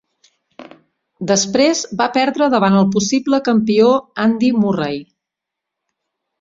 Després va perdre davant el possible campió Andy Murray.